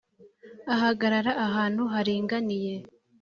ahagarara ahantu haringaniye